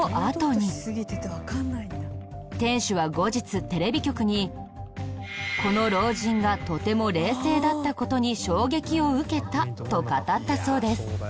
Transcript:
店主は後日テレビ局に「この老人がとても冷静だった事に衝撃を受けた」と語ったそうです。